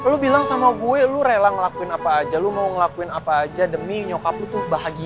lo bilang sama gue lo rela ngelakuin apa aja lo mau ngelakuin apa aja demi nyokap lo tuh bahagia